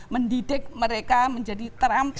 mendidik mereka menjadi terampil